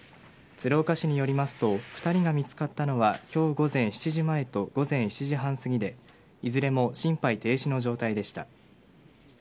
鶴岡市によりますと２人が見つかったのは今日午前７時前と午前７時半すぎでいずれも心肺停止の状態でした。